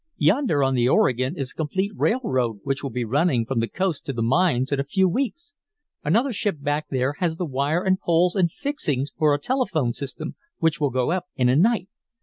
Yonder on the Oregon is a complete railroad, which will be running from the coast to the mines in a few weeks. Another ship back there has the wire and poles and fixings for a telephone system, which will go up in a night.